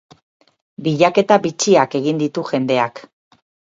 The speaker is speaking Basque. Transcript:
Bilaketa bitxiak egin ditu jendeak.